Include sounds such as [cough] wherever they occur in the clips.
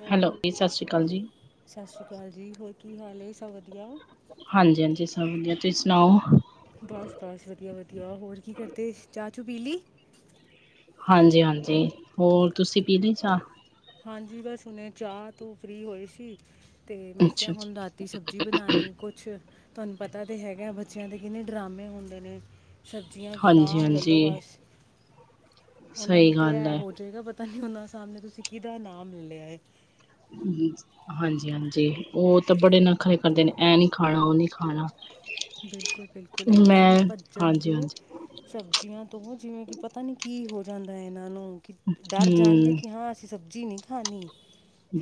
ਓ hello ਜੀ ਸਤਿ ਸ਼੍ਰੀ ਅਕਾਲ ਜੀ ਸਤਿ ਸ਼੍ਰੀ ਅਕਾਲ ਜੀ ਹੋਰ ਕੀ ਹਾਲ ਸਭ ਵਧੀਆ ਹਾਂਜੀ ਹਾਂਜੀ ਸਭ ਵਧੀਆ ਤੁਸੀਂ ਸੁਣਾਓ ਬਸ -ਬਸ ਵਧੀਆ- ਵਧੀਆ ਹੋਰ ਕੀ ਕਰਦੇ ਚਾਹ ਚੂ ਪੀ ਲਈ ਹਾਂਜੀ- ਹਾਂਜੀ ਹੋਰ ਤੁਸੀਂ ਪੀ ਲਈ ਚਾਹ ਹਾਂਜੀ ਬਸ ਹੁਣੇ ਚਾਹ ਤੋਂ ਫਰੀ ਹੋਏ ਸੀ। ਤੇ ਮੈਂ ਕਿਹਾ ਅੱਛਾ ਜੀ ਹੁਣ ਰਾਤੀ ਸਬਜ਼ੀ ਬਣਾਉਣੀ ਕੋਈ ਕੁਛ ਤੁਹਾਨੂੰ ਪਤਾ ਤਾਂ ਹੈਗਾ ਬੱਚਿਆਂ ਦੇ ਕਿੰਨੇ ਡਰਾਮੇ ਹੁੰਦੇ ਨੇ ਸਬਜ਼ੀਆਂ ਗਦਾਮ ਲੈ ਹਾਂਜੀ-ਹਾਂਜੀ ਲਓ ਬਸ ਉਹਨਾਂ ਸਹੀ ਨੂੰ ਤਾਂ ਗੱਲ ਐ ਹੈ ਹੋ ਜਾਏਗਾ ਪਤਾ ਨਹੀਂ ਉਹਨਾਂ ਸਾਹਮਣੇ ਤੁਸੀਂ ਕਿਦਾ ਨਾਮ ਲੈ ਲਿਆ ਹੈ। ਹਾਂਜੀ -ਹਾਂਜੀ ਉਹ ਤਾਂ ਬੜੇ ਨਖਰੇ ਕਰਦੇ ਨੇ ਇਹ ਨੀ ਖਾਣਾ ਉਹ ਨੀ ਖਾਣਾ ਬਿਲਕੁਲ -ਬਿਲਕੁਲ ਏਦਾਂ ਮੈਂ ਨਾ ਭੱਜਣਗੇ ਹਾਂਜੀ-ਹਾਂਜੀ ਸਬਜ਼ੀਆਂ ਤੋਂ ਜਿਵੇਂ ਕਿ ਪਤਾ ਨੀ ਕੀ ਹੋ ਜਾਂਦਾ ਇਹਨਾਂ ਨੂੰ ਕਿ ਡਰ ਜਾਣਗੇ ਹਮ ਕਿ ਹਾਂ ਅਸੀਂ ਸਬਜ਼ੀ ਨਹੀਂ ਖਾਣੀ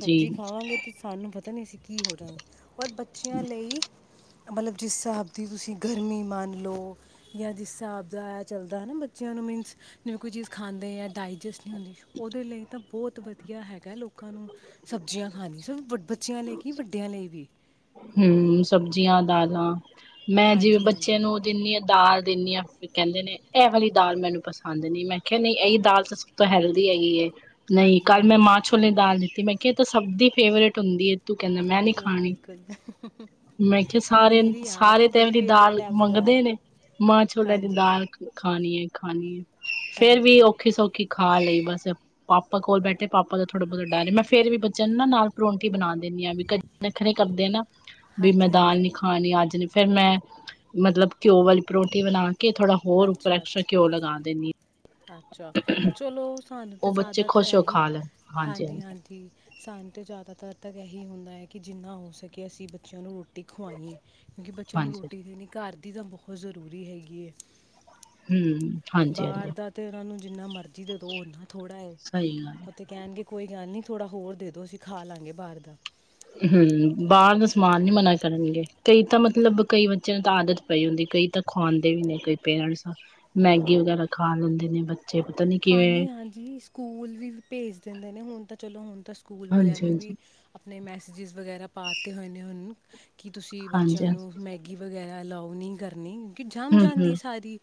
ਜੀ ਖਾਵਾਂਗੇ ਤੇ ਸਾਨੂੰ ਪਤਾ ਨਹੀਂ ਅਸੀਂ ਕੀ ਹੋ ਜਾਗੇ। ਔਰ ਬੱਚਿਆਂ ਲਈ ਮਤਲਬ ਜਿਸ ਹਿਸਾਬ ਦੀ ਤੁਸੀਂ ਗਰਮੀ ਮੰਨ ਲੋ ਯਾਂ ਜਿਸ ਸਾਬ ਦਾ ਐ ਚੱਲਦੈ ਨਾ ਬੱਚਿਆਂ ਨੂੰ ਮੀਨਸ ਜਿਵੇਂ ਕੋਈ ਚੀਜ਼ ਖਾਂਦੇ ਐਂ, ਡਾਇਜੈਸਟ ਹੁੰਦੀ। ਔਦੇ ਲਈ ਤਾਂ ਬੋਤ ਵਧੀਆ ਹੈਗੈ ਲੋਕਾਂ ਨੂੰ ਸਬਜ਼ੀਆਂ ਖਾਣੀ [unintelligible] ਬੱਚਿਆਂ ਲਈ ਕੀ, ਵੱਡਿਆਂ ਲਈ ਵੀ ਹੂੰ, ਸਬਜ਼ੀਆਂ, ਦਾਲਾਂ ਮੈਂ ਜਿਵੇਂ ਹਾਂਜੀ ਬੱਚੇ ਹਾਂਜੀ ਨੂੰ ਦਿੰਨੀ ਆਂ ਦਾਲ ਦਿੰਨੀ ਆਂ ਫਿਰ ਕੈਂਦੇ ਨੇ ਐ ਵਾਲੀ ਦਾਲ ਮੈਨੂੰ ਪਸੰਦ ਨੀ। ਮੈਂ ਕਿਆ ਨਈ ਐ ਈ ਦਾਲ ਤਾਂ ਸਭ ਤੋਂ ਹੈਲਦੀ ਹੈਗੀ ਏ। ਨਈ ਹਾਂਜੀ ਕੱਲ ਮੈਂ ਹਾਂਜੀ ਮਾਂ ਛੋ ਕੇ ਮੈਂ ਦਾਲ ਦਿੱਤੀ, ਮੈਂ ਕਿਆ ਏ ਤਾਂ ਸਭ ਦੀ ਫੇਵਰੇਟ ਹੁੰਦੀ ਏ। ਤੂੰ ਕਹਿੰਦਾ ਮੈਂ ਨੀ ਖਾਣੀ। ਬਿਲਕੁਲ-ਬਿਲਕੁਲ। ਮੈਂ ਕਿਆ ਸਾਰੇ ਨ ਸਾਰੇ ਤੇ ਐ ਵਾਲੀ ਫੇਵਰੇਟ ਦਾਲ ਹੈ ਵਾਲੀ ਦਾਲ ਮੰਗਦੇ ਨੇ ਮਾਂ ਛੋਲਿਆਂ ਦੀ ਹਾਂਜੀ ਦਾਲ। ਖਾਣੀ ਏ, ਖਾਣੀ ਏ। ਫੇਰ ਵੀ ਹਾਂਜੀ ਔਖੀ-ਸੌਖੀ ਖਾ ਲਈ ਬਸ ਪਾਪਾ ਕੋਲ ਬੈਠੇ, ਪਾਪਾ ਦਾ ਥੋੜਾ ਬੋਤਾ ਡਰ ਏ। ਮੈਂ ਫੇਰ ਵੀ ਬੱਚੇ ਨੂੰ ਨਾ ਨਾਲ ਪਰੋਂਠੀ ਬਣਾ ਦੇਂਣੀ ਆਂ ਬਿਕੋਸ ਨੱਖਰੇ ਕਰਦੇ ਨਾ ਬੀ ਮੈਂ ਹਾਂਜੀ ਦਾਲ ਹਾਂਜੀ ਨੀ ਖਾ ਣੀ ਅੱਜ ਨੀ। ਫੇਰ ਮੈਂ ਮਤਲਬ ਘਿਓ ਵਾਲੀ ਪਰੋਂਠੀ ਬਣਾ ਕੇ ਥੋੜਾ ਹੋਰ ਉਪਰ ਅੱਛਾ ਐਕਸਟਰਾ ਅੱਛਾ ਘਿਓ ਲਗਾ ਦੇਂਨੀ। ਅੱਛਾ ਚਲੋ ਸਾਨੂੰ ਤਾਂ ਉਹ ਬੱਚੇ ਜ਼ਿਆਦਾਤਰ ਖੁਸ਼ ਹੋ ਐਹੀ ਖਾ ਲੈਣ ਹਾਂਜੀ ਹਾਂਜੀ ਹਾਂਜੀ-ਹਾਂਜੀ। ਸਾਨੂੰ ਤੇ ਜ਼ਿਆਦਾਤਰ ਤਕ ਐਹੀ ਹੁੰਦਾ ਐ ਕਿ ਜਿੰਨਾ ਹੋ ਸਕੇ ਅਸੀਂ ਬੱਚਿਆਂ ਨੂੰ ਰੋਟੀ ਖਵਾਈਏ। ਕਿਉਂਕਿ ਬੱਚਿਆਂ ਨੂੰ ਹਾਂਜੀ ਰੋਟੀ ਦੇਣੀ ਘਰ ਦੀ ਤਾਂ ਬੋਹੋਤ ਜ਼ਰੂਰੀ ਹੈਗੀ ਏ। ਹੂੰ। ਬਾਰ ਦਾ ਤੇ ਏਨਾਂ ਨੂੰ ਜਿੰਨਾ ਮਰਜ਼ੀ ਦੇ ਦੋ ਔ ਔਨਾਂ ਥੋੜ੍ਹਾ ਏ ਸਹੀ ਗੱਲ ਹੈ। ਔ ਤੇ ਕੈਣਗੇ ਕੋਈ ਗੱਲ ਨੀ ਥੋੜ੍ਹਾ ਹੋਰ ਦੇ ਦੋ ਅਸੀ ਖਾ ਲਾਂਗੇ ਬਾਰ ਦਾ। ਹੂੰ, ਬਾਰ ਦਾ ਸਮਾਨ ਨੀ ਮਨਾ ਕਰਨਗੇ। ਕਈ ਤਾਂ ਮਤਲਬ ਕਈ ਬੱਚਿਆਂ ਨੂੰ ਤਾਂ ਆਦਤ ਪਈ ਹੁੰਦੀ ਕਈ ਤਾਂ ਖੁਆਂਦੇ ਵੀ ਨੇ ਕਈ ਪੇਰੈਂਟਸ। ਮੈਗੀ ਵਗੈਰਾ ਖਾ ਲੈਂਦੇ ਨੇ ਬੱਚੇ। ਪਤਾ ਨੀ ਕਿਵੇਂ ਹਾਂਜੀ, ਹਾਂਜੀ ਸਕੂਲ ਵੀ ਭੇਜ ਦਿੰਦੇ ਨੇ, ਹੁਣ ਤਾਂ ਚਲੋ ਹੁਣ ਤਾਂ ਸਕੂਲ ਵਾਲਿਆਂ ਹਾਂਜੀ ਨੇ ਹਾਂਜੀ ਵੀ ਆਪਣੇ ਮੈਸੇਜਿਸ ਵਗੈਰਾ ਪਾ ਤੇ ਹੋਏ ਨੇ ਹੁਣ ਕਿ ਤੁਸੀ ਹਾਂਜੀ ਹਾਂਜੀ ਬੱਚਿਆਂ ਨੂੰ ਮੈ ਗੀ ਵਗੈਰਾ ਅਲਾਉ ਨੀ ਕਰਨੀ ਕਿ ਜੰਮ ਹਮ ਜਾਂਦੀ ਏ ਹਮ ਸਾਰੀ।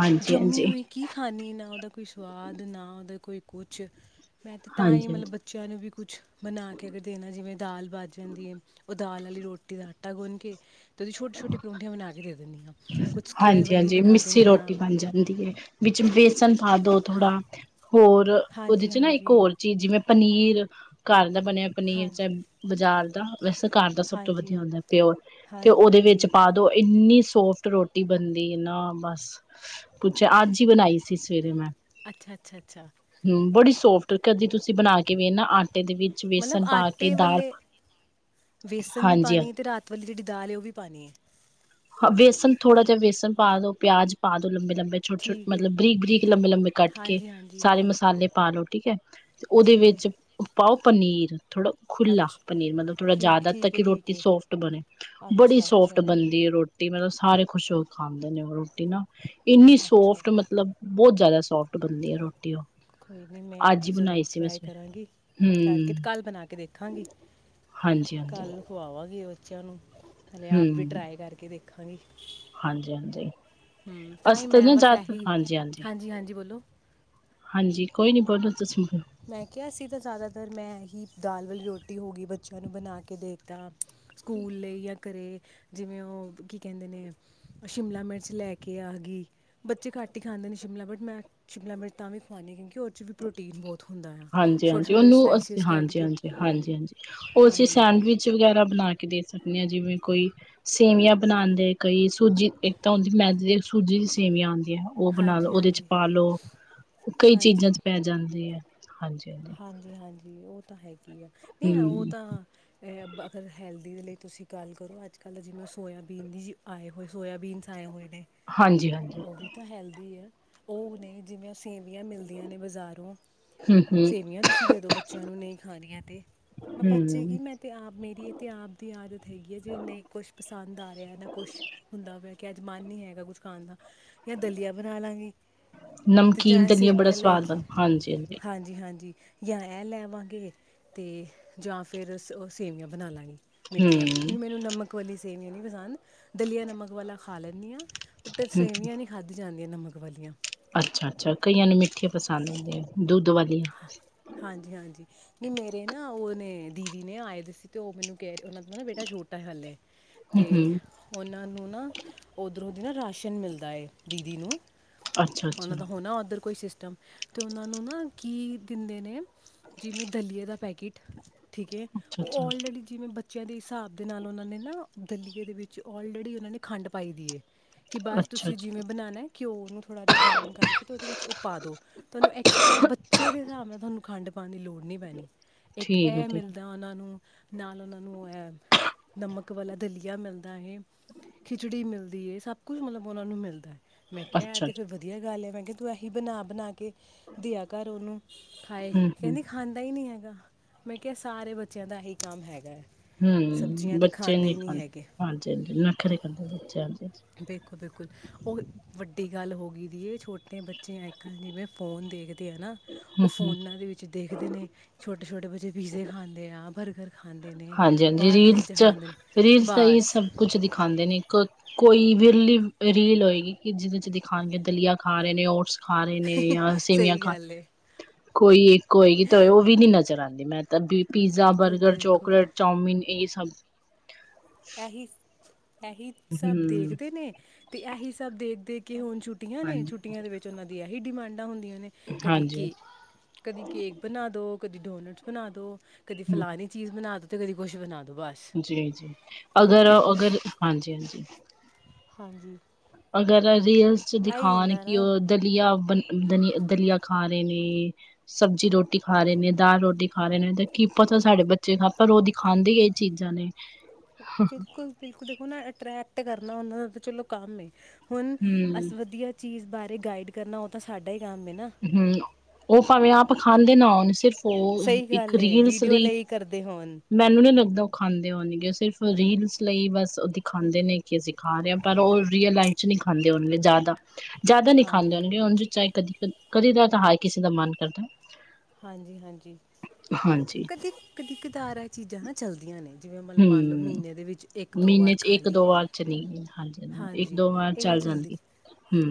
ਹਾਂਜੀ ਹਾਂਜੀ ਜੰਮੀ ਹੋਈ ਕੀ ਖਾਣੀ। ਨਾ ਔਦਾ ਕੋਈ ਸਵਾਦ, ਨਾ ਔਦਾ ਕੋਈ ਕੁਛ ਮੈਂ ਤ, ਤਾਂ ਈ ਹਾਂਜੀ ਹਾਂਜੀ ਮਤਲਬ ਬੱ ਚਿਆਂ ਨੂੰ ਵੀ ਕੁਛ ਬਣਾ ਕੇ ਅਗਰ ਦੇਣਾ ਏ ਜਿਵੇਂ ਦਾਲ ਬਚ ਜਾਂਦੀ ਏ ਔ ਦਾਲ ਆਲੀ ਰੋਟੀ ਦਾ ਆਟਾ ਗੁੰਨ ਕੇ ਤੇ ਔਦੀ ਛੋਟੀ-ਛੋਟੀ ਪਰੌਂਠਿਆਂ ਬਣਾ ਕੇ ਦੇ ਦਿੰਨੀ ਆਂ। ਹਾਂਜੀ-ਹਾਂਜੀ ਮਿੱਸੀ ਰੋਟੀ ਬਣ ਜਾਂਦੀ ਏ। ਵਿੱਚ ਬੇਸਨ ਪਾ ਦੋ ਹਾਂ ਥੋੜਾ, ਹੋਰ ਔਦੇ ਹਾਂਜੀ 'ਚ ਨਾ ਇੱਕ ਹਾਂਜੀ ਔਰ ਚੀ ਜਿਵੇਂ ਪਨੀਰ, ਘਰ ਦਾ ਬਣਿਆ ਪਨੀਰ ਹਾਂਜੀ ਚਾਏ ਬਜਾਰ ਦਾ ਵੈਸੇ ਘਾਰ ਦਾ ਸਭ ਤੋਂ ਹਾਂਜੀ ਵਧੀਆ ਹਾਂ, ਹੁੰਦੈ ਪਿਔਰ ਤੇ ਹਾਂਜੀ ਔਦੇ ਵਿੱਚ ਹਾਂਜੀ ਪਾ ਦੋ ਏਨੀਂ ਸੋ ਫਟ ਰੋਟੀ ਬਣਦੀ ਏ ਨਾ ਬਸ ਪੁੱਛੋ ਅੱਜ ਈ ਬਣਾਈ ਸੀ ਸਵੇਰੇ ਮੈਂ ਅੱਛਾ-ਅੱਛਾ-ਅੱਛਾ। ਹੂੰ, ਬੜੀ ਸੋਫਟ ਕਦੀ ਤੁਸੀ ਬਣਾ ਕੇ ਵੇਨਾ ਆਂਟੇ ਦੇ ਵੀ ਮਤਲਬ ਆਟੇ ਵਾਲੇ ਵੇਸਣ ਵੀ ਹਾਂਜੀ ਹਾਂ ਪਾਨੀ ਏ ਤੇ ਰਾਤ ਵਾਲੀ ਜੜੀ ਦਾਲ ਏ ਔ ਵੀ ਪਾਨੀ ਏ। ਹ ਵੇਸਨ ਥੋੜਾ ਜਿਆ ਵੇਸਨ ਪਾ ਦੋ, ਪਿਆਜ ਪਾ ਦੋ ਲੰਬੇ-ਲੰਬੇ ਠੀਕ ਛੋਟੇ-ਛੋਟੇਲ ਹੈ ਮਤਲਬ ਬਰੀਕ-ਬਰੀਕ ਲੰਬੇ-ਲੰਬੇ ਕੱਟ ਕੇ ਹਾਂਜੀ ਹਾਂਜੀ ਸਾਰੇ ਮਸਾਲੇ ਪਾ ਲੋ ਠੀਕ ਐ। ਤੇ ਔਦੇ ਠੀਕ ਹੈ ਵਿੱਚ ਪਾਔ ਪਨੀਰ ਥੋੜਾ ਖੁੱਲਾ ਅੱਛਾ ਪਨੀਰ ਮਤਲਬ ਥੋੜਾ ਠੀਕ ਜਿਆਦਾ ਠੀਕ ਹੈ ਤਾਕਿ ਠੀਕ ਰੋਟੀ ਹੈ ਸੋਫਟ ਬਣੇ। ਬੜੀ ਅੱਛਾ ਸੋਫਟ ਅੱਛਾ ਬਣਦੀ ਏ ਰੋ ਟੀ ਮਤਲਬ ਸਾਰੇ ਖੁਸ਼ ਹੋ ਕੇ ਖਾਂਦੇ ਨੇ ਉਹ ਰੋਟੀ ਨਾ, ਇੰਨੀ ਅੱਛਾ ਸੋਫਟ ਮਤਲਬ ਬੋਤ ਜ਼ਿਆਦਾ ਸੋਫਟ ਬਣਦੀ ਏ ਰੋਟੀ ਔ। ਕੋਈ ਨੀ ਮੈਂ ਤ ਜ਼ਰੂਰ ਟਰਾਈ ਕਰਾਂਗੀ ਕਰਕੇ ਕੱਲ੍ਹ ਬਣਾ ਕੇ ਦੇਖਾਂਗੀ। ਹਾਂਜੀ-ਹਾਂਜੀ। ਕੱਲ ਖਵਾਵਾਂਗੀ ਬੱਚਿਆਂ ਨੂੰ, ਨਲੇ ਆਪ ਵੀ ਟਰਾਈ ਕਰਕੇ ਦੇਖਾਂਗੀ। ਹਾਂਜੀ-ਹਾਂਜੀ। ਹੂੰ, ਤਾਂ ਈ ਮੈਂ ਬਸ ਐਹੀ, ਹਾਂਜੀ ਹਾਂਜੀ-ਹਾਂਜੀ ਬੋਲੋ। ਹਾਂਜੀ ਕੋਈ ਨੀ-ਕੋਈ ਨੀ ਤੁਸੀ ਮੈਂ ਕਿਆ ਸੀ ਤਾਂ ਜ਼ਿਆਦਾਤਰ ਮੈਂ ਐ ਹੀ ਦਾਲ ਵਾਲੀ ਰੋਟੀ ਹੋ ਗਈ ਬੱਚਿਆਂ ਨੂੰ ਬਣਾ ਕੇ ਦੇ ਤਾ ਸਕੂਲ ਲਈ ਜਾਂ ਘੇ ਜਿਵੇਂ ਉਹ ਕੀ ਕਹਿੰਦੇ ਨੇ ਸ਼ਿਮਲਾ ਮਿਰਚ ਲੈ ਕੇ ਆ ਗਈ ਬੱਚੇ ਘੱਟ ਹੀ ਖਾਂਦੇ ਨੇ ਸ਼ਿਮਲਾ ਬਟ ਮੈਂ ਸ਼ਿਮਲਾ ਮਿਰਚ ਤਾਂ ਵੀ ਖਵਾਉਂ ਹਾਂ ਕਿਉਂਕਿ ਉਹਦੇ ਵੀ ਪ੍ਰੋਟੀਨ ਬਹੁਤ ਹੁੰਦਾ ਆ ਹਾਂਜੀ ਛੋਟੇ ਹਾਂਜੀ ਛੋਟੇ ਜਿਹੇ ਉਹਨੂੰ ਅ ਸਲਾਈਸਿਸ ਕੱਟ ਹਾਂਜੀ ਕੇ ਹਾਂਜੀ ਹਾਂਜੀ ਹਾਂਜੀ ਉਹਸੀ ਹਾਂਜੀ ਸੈਂਡਵਿਚ [unintelligible] ਵਗੈਰਾ ਬਣਾ ਕੇ ਦੇ ਸਕਦੇ ਹਾਂ ਜਿਵੇਂ ਕੋਈ ਸੇਵੀਆਂ ਬਣਾਉਂਦੇ ਕਈ ਸੂਜੀ ਇੱਕ ਤਾਂ ਹੁੰਦੀ ਮੈਦੀ ਦੀ ਸੂਜੀ ਦੀ ਸੇਵੀਆਂ ਆਉਂਦੀਆਂ ਉਹ ਬਣਾ ਲੋ ਹਾਂਜੀ ਉਹਦੇ ਚ ਹਾਂਜੀ ਪਾਲੋ ਕਈ ਚੀਜ਼ਾਂ ਹਾਂਜੀ ਚ ਪੈ ਜਾਂਦੀ ਹੈ ਹਾਂਜੀ ਹਾਂਜੀ ਹਾਂਜੀ ਉਹ ਤਾਂ ਹੈਗੀ ਆ ਨਹੀਂ ਹਾਂ ਉਹ ਹਮ ਤਾਂ ਅਗਰ ਹੈਲਦੀ ਦੇ ਲਈ ਤੁਸੀਂ ਗੱਲ ਕਰੋ ਅੱਜ ਕੱਲ੍ਹ ਜਿਵੇਂ ਸੋਇਆਬੀਨ ਦੀ ਜੀ ਆਏ ਹੋਏ ਸੋਇਆਬੀਨਸ ਆਏ ਹੋਏ ਨੇ ਹਾਂਜੀ ਹਾਂਜੀ ਉਹ ਵੀ ਤਾਂ ਹੈਲਦੀ ਆ ਉਹ ਨੇ ਜਿਵੇਂ ਸੇਵੀਆਂ ਮਿਲਦੀਆਂ ਨੇ ਬਜ਼ਾਰੋਂ ਹਮ-ਹਮ ਹਮ ਸੇਵੀਆਂ ਤੁਸੀਂ ਦੇ ਦੋ ਬੱਚਿਆਂ ਨੂੰ ਨਹੀਂ ਖਾ ਰਆਂ ਤੇ ਮੈਂ ਬੱਚੇ ਹਮ ਹਮ ਕੀ ਮੈਂ ਅਤੇ ਆਪ ਮੇਰੀ ਇਹ ਤਾਂ ਆਪ ਦੀ ਆਦਤ ਹੈਗੀ ਹੈ ਜੇ ਨਹੀਂ ਕੁਛ ਪਸੰਦ ਆ ਰਿਹਾ ਨਾ ਕੁਛ ਹੁੰਦਾ ਹੋਇ ਕਿ ਅੱਜ ਮਨ ਨਹੀਂ ਹੈਗਾ ਕੁਝ ਖਾਣ ਦਾ ਜਾਂ ਦਲੀਆ ਬਣਾ ਲਾਂਗੀ ਅਤੇ ਨਮਕੀਨ ਜਾਂ ਧਨੀਆ ਬੜਾ ਸਵਾਦ ਵ ਹਾਂਜੀ ਹਾਂ ਜੀ ਹਾਂਜੀ ਜਾਂ ਇਹ ਲੈਵਾਂਗੇ ਤੇ ਜਾਂ ਫਿਰ ਸੇਵੀਆਂ ਬਣਾ ਲਵਾਂਗੇ ਮਿੱਠੀਆਂ ਕਿਉਂਕਿ ਹਮ ਮੈਨੂੰ ਨਮਕ ਵਾਲੀਆਂ ਸੇਵੀਆਂ ਨਹੀਂ ਪਸੰਦ ਦਲੀਆਂ ਨਮਕ ਵਾਲਾ ਖਾ ਲੈਂਦੀ ਹਾਂ। ਤੇ ਸੇਵੀਆਂ ਨਹੀਂ ਖਾਧੀ ਜਾਂਦੀਆਂ ਨਮਕ ਵਾਲੀਆਂ ਅੱਛਾ-ਅੱਛਾ ਕਈਆਂ ਨੂੰ ਮਿੱਠੇ ਪਸੰਦ ਹੁੰਦਿਆ ਦੁੱਧ ਵਾਲੀਆਂ ਹਾਂਜੀ-ਹਾਂਜੀ। ਨ ਮੇਰੇ ਨਾ ਉਹਨੇ ਦੀਦੀ ਨੇ ਆਏ ਸੀ ਤੇ ਉਹ ਮੈਨੂੰ ਕਹਿ ਉਹਨਾਂ ਦਾ ਨਾ ਬੇਟਾ ਛੋਟਾ ਹਾਲੇ ਤੇ ਹਮ-ਹਮ ਉਹਨਾਂ ਨੂੰ ਨਾ ਉਧਰੋਂ ਦੀ ਨਾ ਰਾਸ਼ਨ ਮਿਲਦਾ ਹੈ ਦੀਦੀ ਨੂੰ ਉਹਨਾਂ ਅੱਛਾ-ਅੱਛਾ ਦਾ ਹੋਣਾ ਉੱਧਰ ਕੋਈ ਸਿਸਟਮ ਤੇ ਉਹਨਾਂ ਨੂੰ ਨਾ ਕੀ ਦਿੰਦੇ ਨੇ ਜਿਵੇਂ ਦਲੀਏ ਦਾ ਪੈਕਿਟ ਠੀਕ ਹੈ ਉਹ ਅੱਛਾ-ਅੱਛਾ, ਆਲਰੇਡੀ ਜਿਵੇਂ ਬੱਚਿਆਂ ਦੇ ਹਿਸਾਬ ਦੇ ਨਾਲ ਉਹਨਾਂ ਨੇ ਨਾ ਦਲੀਏ ਦੇ ਵਿੱਚ ਲਰੇਡੀ ਉਹਨਾਂ ਨੇ ਖੰਡ ਪਾਈ ਦੀ ਹੈ ਕਿ ਬਸ ਅੱਛਾ ਤੁਸੀਂ ਜੀ, ਜਿਵੇਂ ਬਣਾਉਣਾ ਹੈ ਘਿਓ ਨੂੰ ਥੋੜ੍ਹਾ ਜਿਹਾ ਬਰਾਊਨ ਕਰਕੇ ਅਤੇ ਉਹਦੇ ਵਿੱਚ ਉਹ ਪਾ ਦਿਉ ਤੁਹਾਨੂੰ ਐਕਸਟਰਾ ਬ ਜਿਹਦੇ ਹਿਸਾਬ ਨਾਲ ਤੁਹਾਨੂੰ ਖੰਡ ਪਾਉਣ ਦੀ ਲੋੜ ਨਹੀਂ ਪੈਣੀ ਇੱਕ ਠੀਕ ਹੈ ਇਹ ਠੀਕ ਹੈ, ਮਿਲਦਾ ਉਹਨਾਂ ਨੂੰ ਨਾਲ ਉਹਨਾਂ ਨੂੰ ਹੈ ਨਮਕ ਵਾਲਾ ਦਲੀਆ ਮਿਲਦਾ ਹੈ ਖਿਚੜੀ ਮਿਲਦੀ ਹੈ ਸਭ ਕੁਛ ਮਤਲਬ ਉਹਨਾਂ ਨੂੰ ਮਿਲਦਾ ਹੈ ਮੈਂ ਕਿਹਾ ਅੱਛਾ ਤੇ ਫਿਰ ਜੀ, ਵਧੀਆ ਗੱਲ ਹੈ ਮੈਂ ਕਿਹਾ ਤੂੰ ਐਸੀ ਬਣਾ ਬਣਾ ਕੇ ਘਰ ਉਹਨੂੰ ਖਾਏ ਹੂੰ-ਹੂੰ। ਕਹਿੰਦੀ ਖਾਂਦਾ ਹੀ ਨਹੀਂ ਹੈਗਾ ਮੈਂ ਕਿਹਾ ਸਾਰੇ ਬੱਚਿਆਂ ਦਾ ਇਹੀ ਕੰਮ ਹੈਗਾ ਹੈ ਹਮ ਸਬਜ਼ੀਆਂ ਤਾਂ ਬੱਚੇ ਨੀ ਹੀ ਨਹੀਂ ਖਾਂਦੇ ਹੈਗੇ ਹਾਂਜੀ ਹੰਜੀ ਨਖਰੇ ਖਾਂਦੇ ਬ ਬਿਲਕੁਲ ਬਿਲਕੁਲ ਉਹ ਵੱਡੀ ਗੱਲ ਹੋ ਗਈ ਦੀ ਇਹ ਛੋਟੇ ਬੱਚੇ ਅੱਜ ਕੱਲ੍ਹ ਜਿਵੇਂ ਫੋਨ ਹੈ ਨਾ ਉਹ ਹੂੰ-ਹੂੰ, ਫੋਨਾਂ ਦੇ ਵਿੱਚ ਦੇਖਦੇ ਨੇ ਛੋਟੇ ਛੋਟੇ ਬੱਚੇ ਪੀਜ਼ੇ ਖਾਂਦੇ ਆ ਬਰਗਰ ਖਾਂਦੇ ਨੇ ਹਾਂਜੀ-ਹਾਂਜੀ, ਬਾਹਰ ਦੀਆਂ ਰੀਲਸ ਚੀਜ਼ਾਂ ਖਾਂਦੇ ਨੇ ਬੱਸ ਖਾਂਦੇ ਨੇ ਇੱਕ ਕੋਈ ਵਿਰਲੀ ਰੀਲ ਹੋਏਗੀ ਕਿ ਜਿਹਦੇ ਚ ਦਿਖਾਣਗੇ ਦਲੀਆ ਖਾ ਰਹੇ ਨੇ ਓਟਸ ਖਾ ਰਹੇ ਨੇ ਜਾਂ ਸੇਵੀਆਂ ਸਹੀ ਖਾ ਗੱਲ ਏ ਕੋਈ ਇੱਕ ਹੋਏਗੀ ਤਾਂ ਉਹ ਵੀ ਨੀ ਨਜ਼ਰ ਆਉਂਦੀ ਮੈਂ ਤਾਂ ਪੀਜ਼ਾ ਬਿਲਕੁਲ ਬਰਗਰ ਚ ਬਿਲਕੁਲ ਚਾਮਨ ਇਹ ਸਭ ਇਹੀ ਇਹੀ ਸਭ ਹੂੰ, ਦੇਖਦੇ ਨੇ ਤੇ ਇਹੀ ਸਭ ਦੇਖਦੇ ਕਿ ਹੁਣ ਛੁੱ ਛੁੱਟੀਆਂ ਨੇ ਛੁੱਟੀਆਂ ਦੇ ਹਾਂਜੀ-ਹਾਂਜੀ, ਵਿੱਚ ਉਹਨਾਂ ਦੀ ਇਹੀ ਡਿਮਾਂਡਾਂ ਹੁੰਦੀਆਂ ਨੇ ਕਦੀ ਕੇ ਹਾਂਜੀ-ਹਾਂਜੀ। ਕਦੀ ਕੇਕ ਬਣਾ ਦੋ ਕਦੀ ਡੋਨਟਸ ਬਣਾ ਦੋ ਕਦੀ ਫਲਾਨੀ ਚੀਜ਼ ਬਣਾ ਦੋ ਤੇ ਕਦੀ ਕੁਛ ਬਣਾ ਦੋ ਬਸ ਜੀ ਜੀ ਅਗਰ ਇਹੀ ਅਗਰ ਹਾਂਜੀ ਹਾਂਜੀ ਹਾਂਜੀ ਅਗਰ ਰੀਲਸ ਚ ਇਹੀ ਦਿਖਾਨ ਹੁੰਦਾ ਕਿ ਨਾ ਉਹ ਦਲੀਆ ਉਬਲ ਦਲੀਆ, ਦਲੀਆ ਖਾ ਰਹੇ ਨੇ ਸਬਜ਼ੀ ਰੋਟੀ ਖਾ ਰਹੇ ਨੇ ਦਾਲ ਰੋਟੀ ਖਾ ਰਹੇ ਨੇਦਾ ਕੀ ਪਤਾ ਸਾਡੇ ਬੱਚੇ ਖਾ ਪਰਾਂ ਰੋ ਖਾਂਦੇ ਇਹ ਚੀਜ਼ਾਂ ਨੇ ਬਿਲਕੁਲ ਬਿਲਕੁਲ ਦੇਖੋ ਨਾ ਅਟਰ੍ਰੈਕਟ ਕਰਨਾ ਉਹਨਾਂ ਦਾ ਤਾਂ ਚਲੋ ਕੰਮ ਏ ਹੁਣ ਹੂੰ ਅਸ ਵਧੀਆ ਚੀਜ਼ ਬਾਰੇ ਗਾਈਡ ਕਰਨਾ ਉਹ ਤਾਂ ਸਾਡਾ ਹੀ ਕੰਮ ਹੈ ਨਾ ਹੂ ਉਹ ਭਾਵੇਂ ਆਪ ਖਾਂਦੇ ਨਾ ਹੋਣ ਸਿਰਫ ਉਹ ਸਹੀ ਇੱਕ ਗੱਲ ਏ ਰੀਲਸ ਵੀਡੀਓ ਲਈ ਕਰਦੇ ਹੋਣ। ਮੈਨੂੰ ਨਹੀਂ ਲੱਗਦਾ ਉਹ ਖਾਂਦੇ ਹੋਣਗੇ ਉਹ ਸਿਰਫ ਰੀਲਸ ਲਈ ਬਸ ਉਹ ਦਿਖਾਉਂਦੇ ਨੇ ਅਸੀਂ ਖਾ ਰਹੇ ਹਾਂ ਪਰ ਉਹ ਰੀਅਲ ਲਾਈਫ ਚ ਨਹੀਂ ਖਾਂਦੇ ਹੋਣਗੇ ਜ਼ਿਆਦਾ ਜ਼ਿਆਦਾ ਨਹੀਂ ਹਾਂਜੀ। ਖਾਂਦੇ ਹੋਣਗੇ ਚਾਹੇ ਕਦੀ- ਕਦੀ ਦਾ ਤਾਂ ਹਰ ਕਿਸੇ ਦਾ ਮਨ ਕਰਦਾ ਹਾਂਜੀ- ਹਾਂਜੀ ਹਾਂਜੀ ਕਦੀ ਕਦਾਰ ਆ ਚੀਜ਼ਾਂ ਨਾ ਚੱਲਦੀਆਂ ਨੇ ਜਿਵੇਂ ਮੰਨ ਲਓ ਹੂੰ ਮਹੀਨੇ ਦੇ ਵਿੱਚ ਇੱਕ ਦੋ ਮਹੀਨੇ ਵਾਰ ਖਾਲੀ ਚ ਹਾਂਜੀ ਹਾਂਜੀ ਇੱਕ ਦੋ ਵਾਰ ਚੱਲ ਜਾਂਦੀ ਹੈ ਹੂ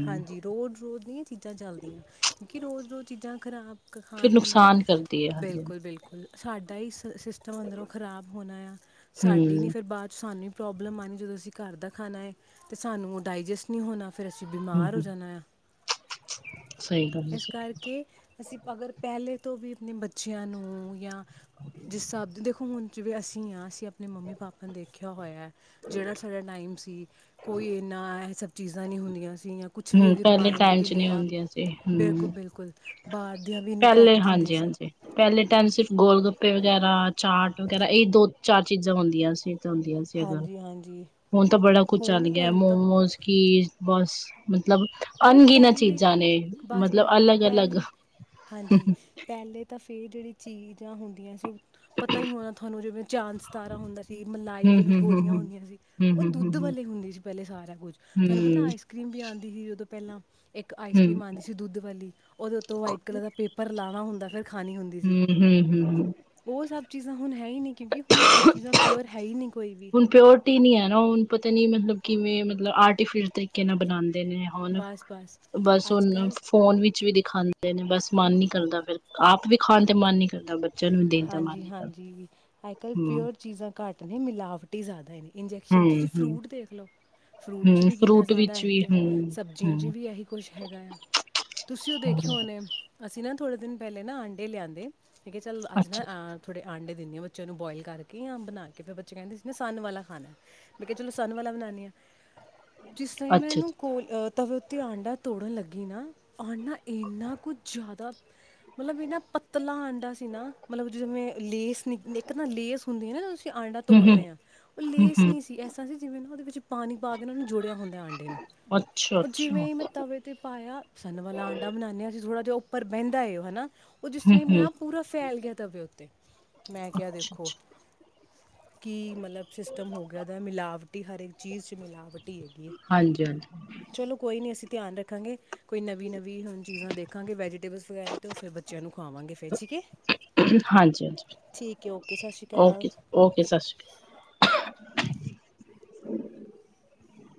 ਰੋਜ਼- ਰੋਜ਼ ਨਹੀਂ ਚੀਜ਼ਾਂ ਚੱਲਦੀਆਂ ਕਿਉਂਕਿ ਰੋਜ਼- ਰੋਜ਼ ਚੀਜ਼ਾਂ ਖਰਾਬ ਫਿਰ ਖਾਣ ਦੇ ਨਾਲ ਨੁਕਸਾਨ ਕਰਦੀ ਹੈ ਹਾਂਜੀ ਬਿਲਕੁਲ- ਬਿਲਕੁਲ ਸਾਡਾ ਹੀ ਸਿਸਟਮ ਅੰਦਰੋਂ ਖ਼ਰਾਬ ਹੋਣਾ ਆ ਸਾਡੀ ਨਹੀਂ ਹੂੰ ਫਿਰ ਬਾਅਦ 'ਚ ਸਾਨੂੰ ਪ੍ਰੋਬਲਮ ਆਉਣੀ ਜਦੋਂ ਅਸੀਂ ਘਰ ਦਾ ਖਾਣਾ ਹੈ ਤਾਂ ਸਾਨੂੰ ਉਹ ਡਾਇਜੈਸਟ ਨਹੀਂ ਹੋਣਾ ਫਿਰ ਅਸੀਂ ਬਿਮਾਰ ਹੋ ਹੂੰ ਜਾਣਾ ਆ ਸਹੀ ਗੱਲ ਇਸ ਹੈ, ਕਰਕੇ ਕੇ ਅਸੀਂ ਅਗਰ ਪਹਿਲੇ ਤੋਂ ਵੀ ਆਪਣੇ ਬੱਚਿਆਂ ਨੂੰ ਜਾਂ ਜਿਸ ਹਿਸਾਬ ਦੇ ਦੇਖੋ ਹੁਣ ਜਿਵੇਂ ਅਸੀਂ ਹਾਂ ਅਸੀਂ ਆਪਣੇ ਮੰਮੀ ਪਾਪਾ ਨੇ ਦੇਖਿਆ ਹੋਇਆ ਜਿਹੜਾ ਸਾਡਾ ਟਾਈਮ ਸੀ। ਕੋਈ ਇੰਨਾ ਇਹ ਸਭ ਚੀਜ਼ਾਂ ਨਹੀਂ ਹੁੰਦੀਆਂ ਸੀਗੀਆਂ। ਕੁਛ ਵੀ ਹੂੰ ਅਗਰ ਪਹਿਲੇ ਮੰਗ ਟਾਈਮ ਵੀ ਚ ਨਹੀਂ ਲਿਆ ਹੁੰਦੀਆਂ ਸੀ ਹੂੰ ਬਿਲਕੁਲ- ਬਿਲਕੁਲ ਬਾਹਰ ਦੀਆਂ ਵੀ ਇੰਨੀ ਘੱਟ ਪਹਿਲੇ ਦਿੰਦੇ ਹਾਂਜੀ ਸੀ। ਹਾਂਜੀ ਪਹਿਲੇ ਟਾਈਮ ਸਿਰਫ ਗੋਲ ਗੱਪੇ ਵਗੈਰਾ ਚਾਟ ਵਗੈਰਾ ਇਹ ਦੋ ਚਾਰ ਚੀਜ਼ਾਂ ਹੁੰਦੀਆਂ ਸੀ। ਹੁੰਦੀਆਂ ਸੀ ਇਹ ਗੱਲ ਹਾਂਜੀ ਹਾਂਜੀ ਹੁਣ ਤਾਂ ਬੜਾ ਕੁਛ ਚੱਲ ਹੁਣ ਗਿਆ ਹੁਣ ਤਾਂ ਮੋਮੋਸ ਕੀ ਬਸ ਮਤਲਬ ਅਰੇ ਅਣਗਿਨਾਂ ਪਹਿਲੇ ਚੀਜ਼ਾਂ ਨੇ ਬਸ ਬਸ ਮਤਲਬ ਅਲੱਗ- ਅਲੱਗ ਪਹਿਲ ਹੂ ਹਾਂਜੀ ਪਹਿਲੇ ਤਾਂ ਫਿਰ ਜਿਹੜੀ ਚੀਜ਼ਾਂ ਹੁੰਦੀਆਂ ਸੀ ਉਹ ਪਤਾ ਹੀ ਹੋਣਾ ਤੁਹਾਨੂੰ ਜਿਵੇਂ ਚਾਂਦ ਸਤਾਰਾ ਹੁੰਦਾ ਸੀ। ਮਲਾਈ ਹਮ ਵਾਲੀ ਹਮ ਹਮ ਗੋਲੀਆਂ ਹਮ ਹੁੰਦੀਆਂ ਸੀ ਉਹ ਹਮ ਹਮ ਹਮ ਦੁੱਧ ਵਾਲੇ ਹੁੰਦੇ ਸੀ ਪਹਿਲੇ ਸਾਰਾ ਕੁੱਝ ਤੁਹਾਨੂੰ ਪਤਾ ਆਈਸ ਕਰ੍ਰੀਮ ਵੀ ਆਉਂਦੀ ਸੀ ਉਦੋਂ ਪਹਿਲਾਂ ਇੱਕ ਆਈਸ ਹਮ ਹਮ ਕਰ੍ਰੀਮ ਆਉਂਦੀ ਸੀ। ਦੁੱਧ ਵਾਲੀ ਉਹਦੇ ਉੱਤੋਂ ਵਾਈਟ ਕਲਰ ਦਾ ਪੇਪਰ ਲਾਵਾ ਹੁੰਦਾ ਫਿਰ ਖਾਣੀ ਹੁੰਦੀ ਸੀ। ਹਮ ਹਮ ਉਹ ਸਭ ਚੀਜ਼ਾਂ ਹੁਣ ਹੈ ਹੀ ਨਹੀਂ ਕਿਉਂਕਿ ਹੁਣ ਉਹ ਚੀਜ਼ਾਂ ਪਿਓਰ ਹੈ ਹੀ ਨਹੀਂ ਕੋਈ ਵੀ ਹੁਣ ਪ੍ਰਓਰਟੀ ਨਹੀਂ ਹੈ ਨਾ ਹੁਣ ਪਤਾ ਨੀ ਮਤਲਬ ਕਿਵੇਂ ਮਤਲਬ ਆਰਟੀਫਿਸ਼ਲ ਤਰੀਕੇ ਨਾਲ ਬਣਾਉਂਦੇ ਨੇ ਹੁਣ ਬਸ ਬਸ ਬਸ ਅੱਜ ਉਹਨ ਕੱਲ੍ਹ ਫੋਨ ਵਿੱਚ ਵੀ ਦਿਖਾਉਦੇ ਦੇ ਨੇ ਬਸ ਮਨ ਨੀ ਕਰਦਾ ਫਿਰ ਆਪ ਵੀ ਖਾਣ ਤੇ ਮਨ ਨੀ ਕਰਦਾ ਬੱਚਿਆਂ ਨੂੰ ਵੀ ਦੇਣ ਤੇ ਮਨ ਨੀ ਕਰਦਾ ਹੂ,,, ਅੱਜ ਕੱਲ ਹੂੰ ਪਿਓਰ ਚੀਜ਼ਾਂ ਘੱਟ ਨੇ ਮਿਲਾਵਟ ਹੀ ਜ਼ਿਆਦਾ ਨੇ ਇੰਜੈਕਸ਼ਨ ਹੂੰ ਤੁਸੀਂ ਹੂੰ ਫਰੂਟ ਦੇਖ ਲਓ ਫਰੂਟ 'ਚ ਹੂੰ ਵੀ ਕਿੰਨਾ ਫਰੂਟ ਜ਼ਿਆਦਾ ਵਿੱਚ ਵੀ ਇਹੀ ਆ ਹੂੰ ਸਬਜ਼ੀਆਂ 'ਚ ਹੂੰ ਵੀ ਇਹੀ ਕੁਛ ਹੈਗਾ ਆ ਤੁਸੀਂ ਉਹ ਦੇਖਿਆ ਹੋਣਾ ਅਸੀਂ ਨਾ ਥੋੜੇ ਦਿਨ ਪਹਿਲੇ ਨਾ ਆਂਡੇ ਲਿਆਂਦੇ ਠੀਕ ਹੈ ਚੱਲ ਅੱਜ ਨਾ ਅੱਛਾ ਥੋੜੇ ਆਂਡੇ ਦੇਦੀ ਹਾ ਬਚਾਇਆ ਨੂੰ ਬੋਇਲ ਕਰਕੇ ਜਾਂ ਆ ਬਣਾ ਕੇ ਫਿਰ ਬੱਚੇ ਕਹਿੰਦੇ ਸੀ ਨਾ ਸਨ ਵਾਲਾ ਖਾਣਾ ਮੈਂ ਕਿਹਾ ਚਲੋ ਸਨ ਵਾਲਾ ਬਣਾਉਂਦੀ ਹਾਂ ਜਿਸ ਤਰ੍ਹਾਂ ਅੱਛਾ ਮੈਨੂੰ ਕੋਲ ਤਵੇ ਉੱਤੇ ਆਂਡਾ ਤੋੜਨ ਲੱਗੀ ਨਾ ਆਂਡਾ ਇੰਨਾ ਕੁਝ ਜ਼ਿਆਦਾ ਮਤਲਬ ਇਹਨਾ ਪਤਲਾ ਆਂਡਾ ਸੀ ਨਾ ਮਤਲਬ ਜਿਵੇਂ ਲੇਸ ਨ ਇੱਕ ਨਾ ਲੇਸ ਹੁੰਦੀ ਹੈ ਨਾ ਆਂਡਾ ਹੂੰ ਹੂੰ ਤੋੜਦੇ ਹਾਂ ਉਹ ਹੂੰ ਲੇਸ ਹੂੰ ਨਹੀਂ ਸੀ ਐਸਾ ਅਵੇ ਸੀਨਾ ਜਿਵੇਂ ਨਾ ਉਹਦੇ ਵਿੱਚ ਪਾਣੀ ਪਾ ਕੇ ਉਹਨਾਂ ਨੂੰ ਜੁੜਿਆ ਹੁੰਦਾ ਆਂਡੇ ਨੂੰ ਅੱਛਾ ਉਹ ਅੱਛਾ ਜਿਵੇਂ ਮੈਂ ਹੂੰ ਤਵੇ ਤੇ ਪਾਇਆ ਸਨ ਵਾਲਾ ਆਂਡਾ ਬਣਾਉਦੇ ਹਾਂ ਅਸੀਂ ਥੋੜਾ ਜਿਹਾ ਉੱਪਰ ਬਹਿੰਦਾ ਹੈ ਹਨਾ ਉਹ ਜਿਸ ਤਰਮ ਹੂੰ ਮੈਂ ਪੂਰਾ ਫੈਲ ਗਿਆ ਤਵੇੇ ਉੱਤੇ ਮੈਂ ਕਿਹਾ ਅੱਛਾ ਦੇਖੋ ਅੱਛਾ ਕੀ ਮਤਲਬ ਸਿਸਟਮ ਹੋ ਗਿਆ ਉਹਦਾ ਮਿਲਾਵਟੀ ਹਰ ਇੱਕ ਚੀਜ਼ 'ਚ ਮਿਲਾਵਟੀ ਟੀ ਹੈ ਗਈ ਹਾਂਜੀ ਹਾਂਜੀ ਚਲੋ ਕੋਈ ਨੀ ਅਸੀਂ ਧਿਆਨ ਰੱਖਾਂਗੇ ਕੋਈ ਨਵੀਂ ਨਵੀ ਹੁਣ ਚੀਜ਼ਾਂ ਦੇਖਾਂਗੇ ਵੈਜੀਟੇਬਲ ਵਗੈਰਾ ਤੇ ਉਹ ਫਿਰ ਬੱਚਿਆਂ ਨੂੰ ਖਾਵਾਂਗੇ ਫਿਰ ਠੀਕ ਹੈ। ਹਾਂਜੀ ਹਾਂਜੀ ਠੀਕ ਹੈ ਓਕੇ ਸਤਿ ਸ੍ਰੀ ਅਕਾਲ ਓਕੇ ਓਕੇ ਸਤਿ ਸ੍ਰੀ ਅਕਾਲ